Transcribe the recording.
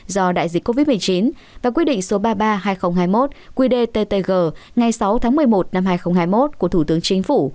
do đại dịch covid một mươi chín và quy định số ba mươi ba hai nghìn hai mươi một qdttg ngày sáu tháng một mươi một năm hai nghìn hai mươi một của thủ tướng chính phủ